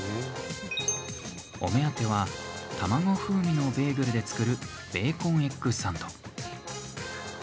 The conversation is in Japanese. お目当ては卵風味のベーグルで作るベーコンエッグサンド。